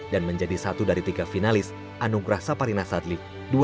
dan menjadi satu dari tiga finalis anugrah saparina sadli dua ribu empat belas